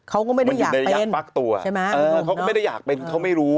เขาก็ไม่ได้อยากเป็นใช่ไหมไม่รู้นะครับเขาก็ไม่ได้อยากเป็นเขาไม่รู้